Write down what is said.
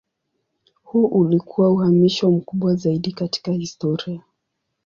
Huu ulikuwa uhamisho mkubwa zaidi katika historia.